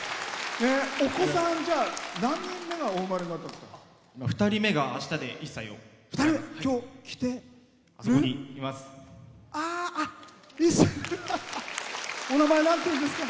お子さん、何人目がお生まれになったんですか？